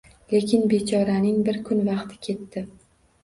Lekin bechoraning bir kun vaqti ketdi